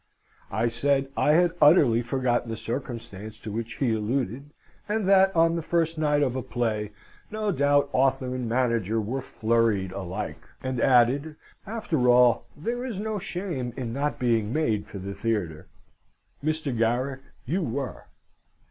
I said I had utterly forgotten the circumstance to which he alluded, and that, on the first night of a play, no doubt author and manager were flurried alike. And added, "After all, there is no shame in not being made for the theatre. Mr. Garrick you were."